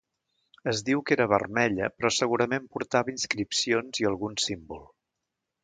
Es diu que era vermella però segurament portava inscripcions i algun símbol.